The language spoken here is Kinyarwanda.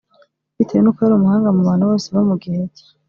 bitewe n’uko yari umuhanga mu bantu bose bo mu gihe cye